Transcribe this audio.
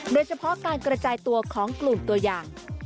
โดยเฉพาะการกระจายตัวของกลุ่มตัวอย่าง